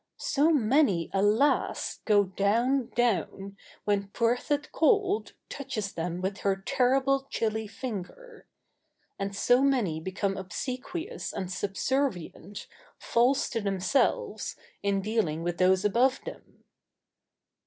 So many, alas! go down, down, when "puirtith cauld" touches them with her terrible, chilly finger. And so many become obsequious and subservient, false to themselves, in dealings with those above them.